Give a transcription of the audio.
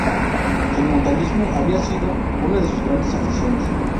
El montañismo había sido una de sus grandes aficiones.